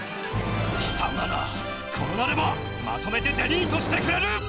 きさまらこうなればまとめてデリートしてくれる！